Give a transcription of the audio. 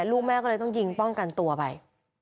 ลูกแม่ก็เลยต้องยิงป้องกันตัวไป